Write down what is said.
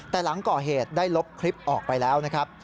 แต่หลังก่อเหตุได้ลบคลิปออกไปแล้วนะครับ